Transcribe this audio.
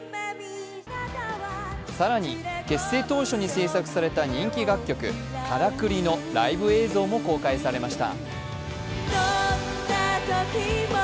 更に、結成当初に制作された人気楽曲「からくり」のライブ映像も公開されました。